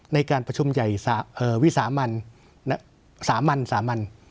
ในการประชุมใหญ่วิสามันสามัญสามัญ